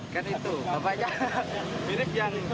kan itu mirip yang